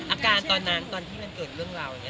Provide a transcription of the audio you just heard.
อาการตอนนั้นตอนที่มันเกิดเรื่องราวอย่างนี้